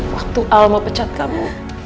waktu alma pecat kamu